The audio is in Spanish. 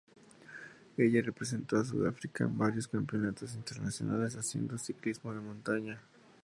Ella representó a Sudáfrica en varios campeonatos internacionales haciendo ciclismo de montaña.